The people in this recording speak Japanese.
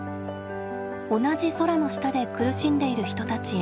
同じ空の下で苦しんでいる人たちへ。